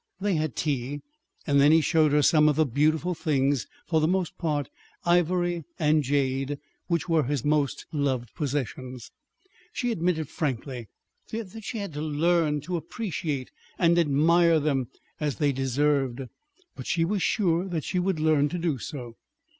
They had tea, and then he showed her some of the beautiful things, for the most part ivory and jade, which were his most loved possessions. She admitted frankly that she had to learn to appreciate and admire them as they deserved. But she was sure that she would learn to do so.